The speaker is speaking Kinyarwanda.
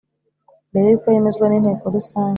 Mbere yuko yemezwa n inteko rusange